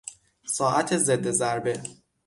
ساعت ضد ضربه